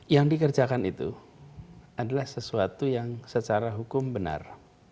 yang dikerjakan itu adalah sesuatu yang secara hukum benar